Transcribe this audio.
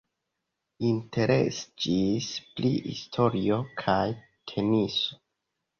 Interesiĝis pri historio kaj teniso.